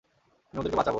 আমি ওদেরকে বাঁচাবো।